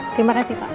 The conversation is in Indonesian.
terima kasih pak